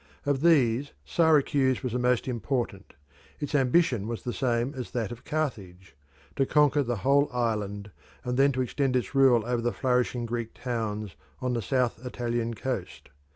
Of these Syracuse was the most important: its ambition was the same as that of Carthage to conquer the whole island, and then to extend its rule over the flourishing Greek towns on the south Italian coast.